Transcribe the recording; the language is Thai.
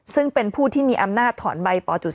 ซึ่งเป็นผู้ที่มีอำนาจถอนใบป๔